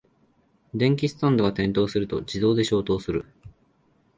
電気スタンドが転倒すると自動で消灯する